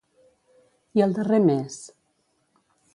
I el darrer mes?